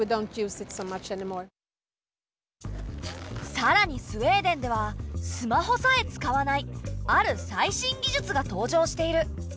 さらにスウェーデンではスマホさえ使わないある最新技術が登場している。